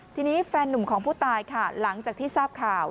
ทีนี้แฟนนุ่มของผู้ตายค่ะหลังจากที่ทราบข่าว